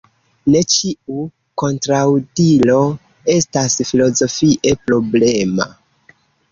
Ne ĉiu kontraŭdiro estas filozofie problema.